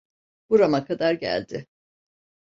Burama kadar geldi.